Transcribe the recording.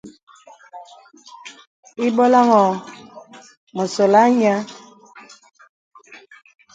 Ìbɔlàŋ ɔ̄ɔ̄ mə sɔlaŋ nyɛ.